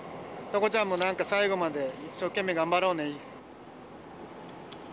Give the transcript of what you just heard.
桃子ちゃんも、最後まで一生懸命頑張ろうね。